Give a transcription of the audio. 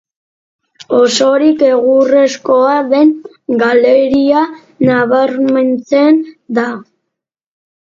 Osorik egurrezkoa den galeria nabarmentzen da.